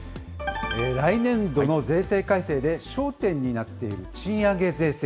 来年度の税制改正で焦点になっている賃上げ税制。